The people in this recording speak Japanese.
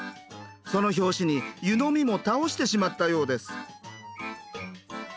その拍子に湯飲みも倒してしまったようです。